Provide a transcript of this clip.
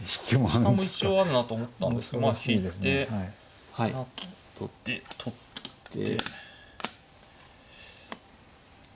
下も一応あるなと思ったんですけどまあ引いて成って取って。